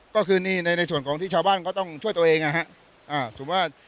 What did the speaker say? ก็คือนี่ในในส่วนของที่ชาวบ้านก็ต้องช่วยตัวเองอ่ะฮะอ่าสมมุติว่า